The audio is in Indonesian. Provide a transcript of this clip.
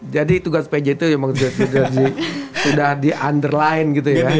jadi tugas pj itu memang sudah di underline gitu ya